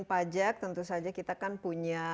pajak tentu saja kita kan punya